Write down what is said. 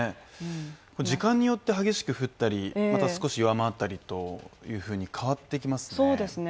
時間によって激しく降ったりまた少し弱まったりというふうに変わってきますね。